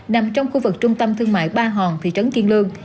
nằm trong khu vực trung tâm thương mại ba hòn thị trấn kiên lương